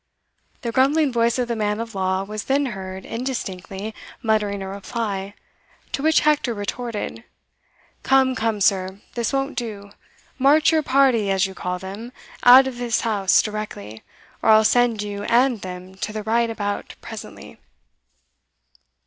The grumbling voice of the man of law was then heard indistinctly muttering a reply, to which Hector retorted "Come, come, sir, this won't do; march your party, as you call them, out of this house directly, or I'll send you and them to the right about presently."